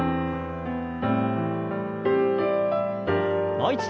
もう一度。